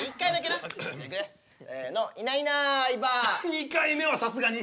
２回目はさすがに。